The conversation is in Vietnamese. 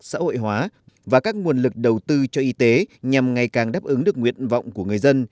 xã hội hóa và các nguồn lực đầu tư cho y tế nhằm ngày càng đáp ứng được nguyện vọng của người dân